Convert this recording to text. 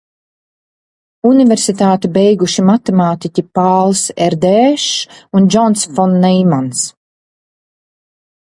Universitāti beiguši matemātiķi Pāls Erdēšs un Džons fon Neimans.